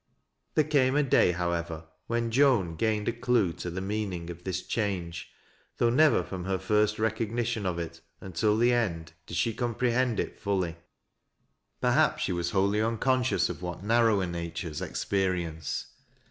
There came a day^ however, when Joan gained a olue to the meaning of this change, though never from her first recognition of it until the end did slie comprehend it fully. Perhaps she was wholly unconscious of what uar^ rower natures experience.